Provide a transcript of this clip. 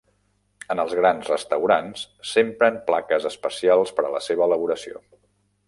En els grans restaurants, s'empren plaques especials per a la seva elaboració.